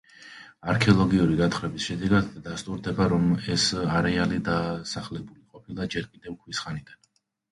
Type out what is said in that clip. არქეოლოგიური გათხრების შედეგად დასტურდება, რომ ეს არეალი დასახლებული ყოფილა ჯერ კიდევ ქვის ხანიდან.